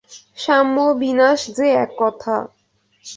সাম্য ও বিনাশ যে এক কথা।